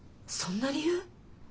そんな理由？